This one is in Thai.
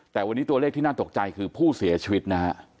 แต่วันนี้ตัวเลขที่น่าตกใจคือผู้เสียชีวิตนะฮะ